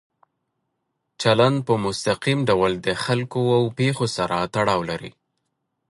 چلند په مستقیم ډول د خلکو او پېښو سره تړاو لري.